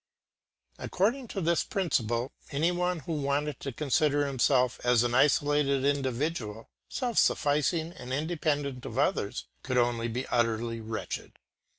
According to this principle, any one who wanted to consider himself as an isolated individual, self sufficing and independent of others, could only be utterly wretched.